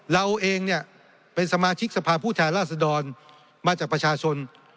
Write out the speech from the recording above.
เราเองเนี่ยเป็นสมาชิกสภาพผู้แทนราษดรมาจากประชาชน